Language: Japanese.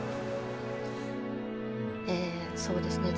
えそうですね